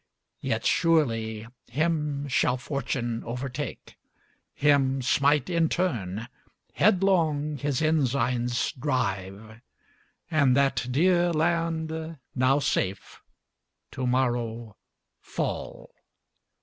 Yet surely him shall fortune overtake, Him smite in turn, headlong his ensigns drive; And that dear land, now safe, to morrow fall.